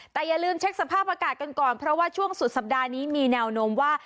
แต่อย่าลืมเช็คสภาพอากาศกันก่อนเพราะว่าช่วงสุดสัปดาห์นี้มีแนวโน้มว่า